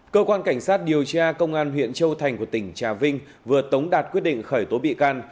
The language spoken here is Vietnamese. cơ quan cảnh sát điều tra công an huyện châu thành của tỉnh trà vinh vừa tống đạt quyết định khởi tố bị can